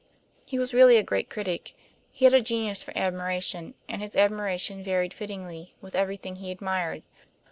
He was really a great critic; he had a genius for admiration, and his admiration varied fittingly with everything he admired.